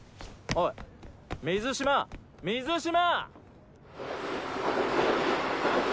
おい水嶋水嶋！